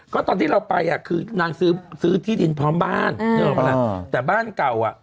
ก็ตอนที่เราไปอ่ะคือนางซื้อซื้อที่ดินพร้อมบ้านนึกออกปะล่ะแต่บ้านเก่าอ่ะ